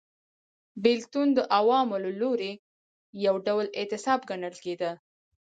بېلتون د عوامو له لوري یو ډول اعتصاب ګڼل کېده